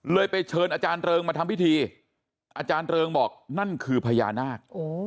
ไปเชิญอาจารย์เริงมาทำพิธีอาจารย์เริงบอกนั่นคือพญานาค